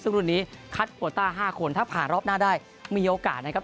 ซึ่งรุ่นนี้คัดโควต้า๕คนถ้าผ่านรอบหน้าได้มีโอกาสนะครับ